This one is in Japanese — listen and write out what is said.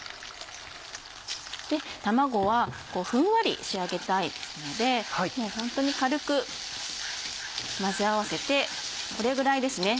卵はふんわり仕上げたいのでホントに軽く混ぜ合わせてこれぐらいですね